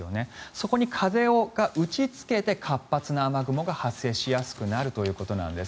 そこに風が打ちつけて活発な雨雲が発生しやすくなるということなんです。